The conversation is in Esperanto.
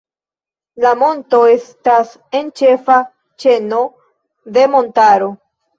La monto estas en ĉefa ĉeno de montaro.